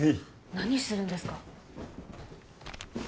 何するんですか？